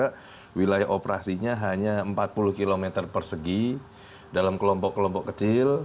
karena wilayah operasinya hanya empat puluh kilometer persegi dalam kelompok kelompok kecil